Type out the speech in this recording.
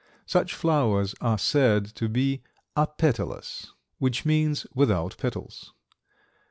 Such flowers are said to be apetalous, which means "without petals."